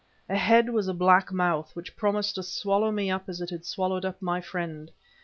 Ahead was a black mouth, which promised to swallow me up as it had swallowed up my friend.